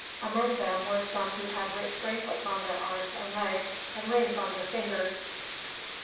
Among them were some who had rich bracelets on their arms and legs, and rings on their fingers.